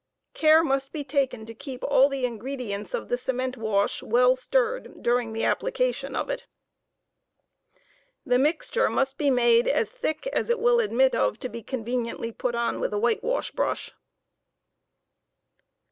Care must be taken to keep all the ingredients of the cement wash well stirred during the application of it. The mixture must be made as thick as it will admit of to be conveniently put on with a whitewash brush.